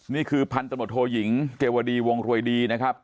นี่คือพันตำรวจโทยิงเกวดีวงรวยดีนะครับ